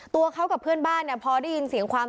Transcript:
ตัวเขากับเพื่อนบ้านเนี่ยพอได้ยินเสียงความ